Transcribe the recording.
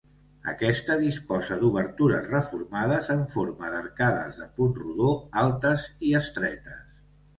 Aquesta disposa d'obertures reformades en forma d'arcades de punt rodó, altes i estretes.